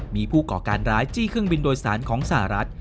มีผู้ก่อการร้ายจี้เครื่องบินโดยสารของสหรัฐ